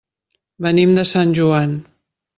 Venim de Sant Joan.